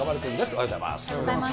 おはようございます。